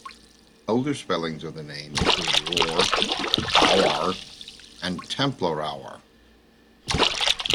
Older spellings of the name include "Roar", "Rowar" and "Tamplerowar".